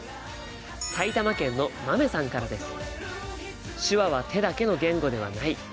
埼玉県のまめさんからです。